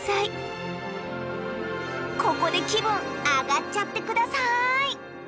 ここで気分アガっちゃって下さい！